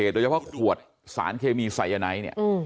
เกิดเหตุตัวแยกว่าขวดสารเคมีใสยไหน